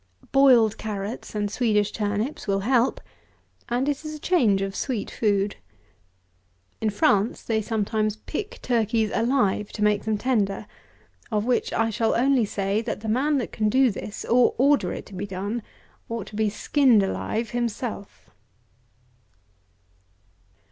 Boiled carrots and Swedish turnips will help, and it is a change of sweet food. In France they sometimes pick turkeys alive, to make them tender; of which I shall only say, that the man that can do this, or order it to be done, ought to be skinned alive himself.